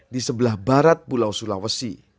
di sebelah barat pulau sulawesi